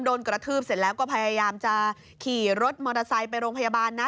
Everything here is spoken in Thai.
กระทืบเสร็จแล้วก็พยายามจะขี่รถมอเตอร์ไซค์ไปโรงพยาบาลนะ